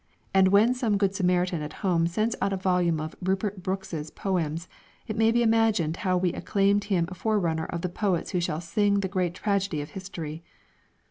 And when some Good Samaritan at home sent out a volume of Rupert Brooke's poems, it may be imagined how we acclaimed him forerunner of the poets who shall sing the greatest tragedy of history.